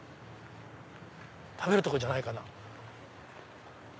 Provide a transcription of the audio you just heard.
食べるとこじゃないかな？